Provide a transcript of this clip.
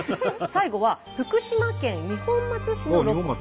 最後は福島県二本松市のロコ。